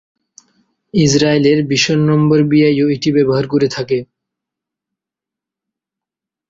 ইসরাইলের ভিশনম্বরবিআই ও এটি ব্যবহার করে থাকে।